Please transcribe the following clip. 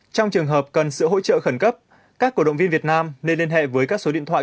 trong trường hợp cần sự hỗ trợ khẩn cấp các cổ động viên việt nam nên liên hệ với các số điện thoại